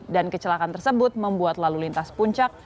dan kecelakaan tersebut membuat lalu lintas puncak